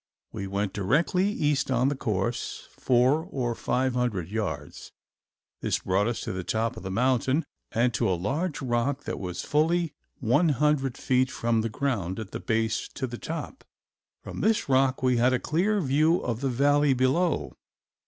We went directly east on the course four or five hundred yards. This brought us to the top of the mountain and to a large rock that was fully one hundred feet from the ground at the base to the top. From this rock we had a clear view of the valley below.